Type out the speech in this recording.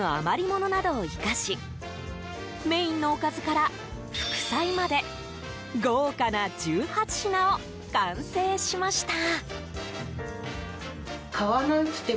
ものなどを生かしメインのおかずから副菜まで豪華な１８品を完成しました。